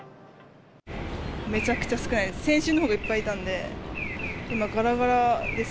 めちゃくちゃ少ないです。